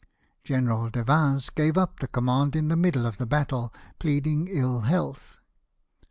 General de Vins gave up the command in the middle of the battle, pleading ill health.